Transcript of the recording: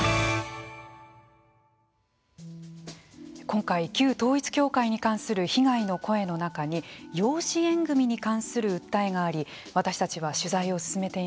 今回、旧統一教会に関する被害の声の中に養子縁組に関する訴えがあり私たちは取材を進めています。